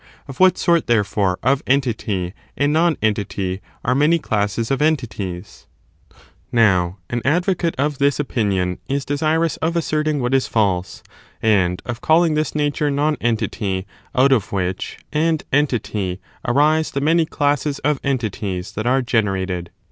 Of what sort, therefore, of entity and nonentity are many classes of entities ? 5. The utter ^^^^^ advocate of this opinion is dei^irous of impoBRibiiity asserting what is false, and of calling this nature of thu scheme. ^QQgn|;i|;y q^^ Qf ^^ich and entity arise the many classes of entities that are generated.